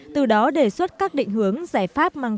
từ đó đề xuất các định hướng giải pháp mang